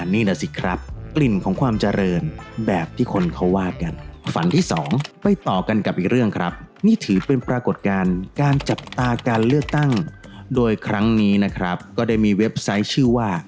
นี่น่ะสิครับกลิ่นของความเจริญแบบที่คนเขาว่ากันฝันที่สองไปต่อกันกับอีกเรื่องครับนี่ถือเป็นปรากฏการณ์การจับตาการเลือกตั้งโดยครั้งนี้นะครับก็ได้มีเว็บไซต์ชื่อว่า